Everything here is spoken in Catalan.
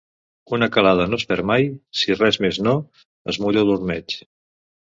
Una calada no es perd mai; si res més no, es mulla l'ormeig.